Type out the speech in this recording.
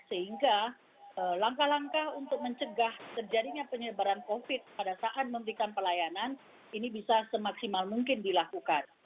sehingga langkah langkah untuk mencegah terjadinya penyebaran covid pada saat memberikan pelayanan ini bisa semaksimal mungkin dilakukan